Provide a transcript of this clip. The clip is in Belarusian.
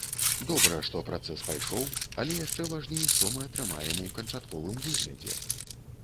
Добра, што працэс пайшоў, але яшчэ важней, што мы атрымаем у канчатковым выглядзе.